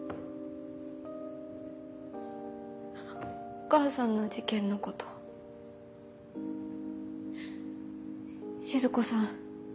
お母さんの事件のこと静子さん